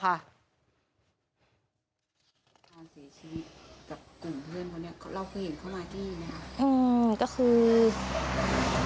การเสียชีวิตกับกลุ่มเพื่อนพวกนี้เราเคยเห็นเขามาที่นี่ไหมคะ